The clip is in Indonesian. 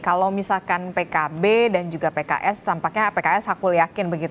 kalau misalkan pkb dan juga pks tampaknya pks aku yakin